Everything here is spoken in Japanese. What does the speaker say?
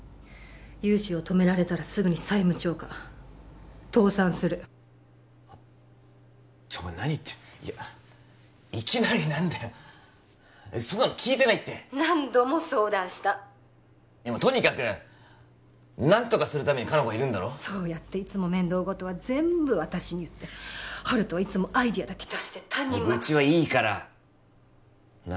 融資を止められたらすぐに債務超過倒産するちょお前何言っていきなり何だよそんなの聞いてないって何度も相談したとにかく何とかするために香菜子がいるんだろそうやっていつも面倒事は全部私に言って温人はいつもアイデアだけ出して他人任せ愚痴はいいからな？